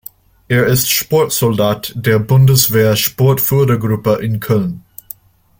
Er ist Sportsoldat der Bundeswehr-Sportfördergruppe in Köln.